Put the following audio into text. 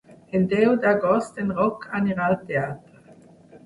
El deu d'agost en Roc anirà al teatre.